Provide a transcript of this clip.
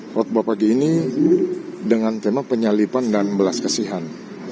khutbah pagi ini dengan tema penyalipan dan belas kasihan